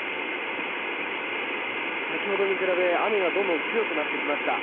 先ほどに比べ、雨がどんどん強くなってきました。